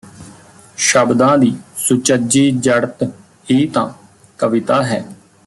ਸ਼ਬਦਾਂ ਦੀ ਸੁਚੱਜੀ ਜੜਤ ਹੀ ਤਾਂ ਕਵਿਤਾ ਹੈ